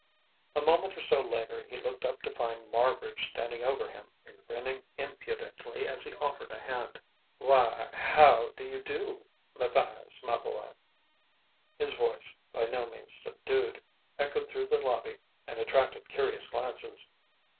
A moment or so later he looked up to find Marbridge standing over him and grinning impudently as he offered a hand. "Why, how do you do, Matthias, my boy?" His voice, by no means subdued, echoed through the lobby and attracted curious glances.